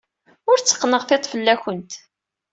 Ur tteqqneɣ tiṭ fell-awent.